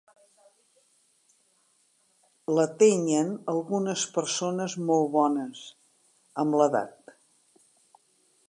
L'atenyen algunes persones molt bones, amb l'edat.